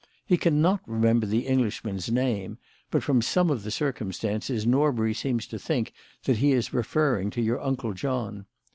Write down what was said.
He cannot remember the Englishman's name, but from some of the circumstances Norbury seems to think that he is referring to your Uncle John.